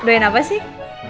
ngedoain apa sih